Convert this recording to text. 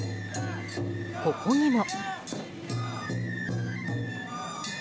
ここにも。